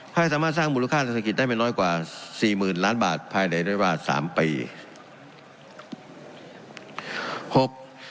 ให้สามารถสร้างมูลค่าเศรษฐกิจได้ไม่น้อยกว่า๔๐๐๐๐ล้านบาทภายในรัฐราชีประเทศ๓ปี